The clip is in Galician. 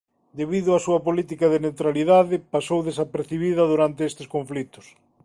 Debido á súa política de neutralidade pasou desapercibida durante estes conflitos.